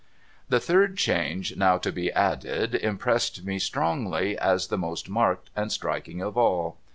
The third change now to be added impressed me strongly as the most marked and striking of all.